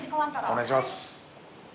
お願いします。